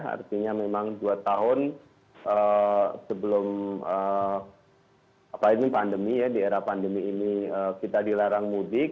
artinya memang dua tahun sebelum pandemi ya di era pandemi ini kita dilarang mudik